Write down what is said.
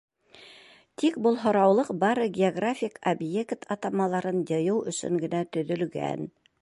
Тик был һораулыҡ бары географик объект атамаларын йыйыу өсөн генә төҙөлгән.